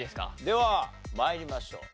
では参りましょう。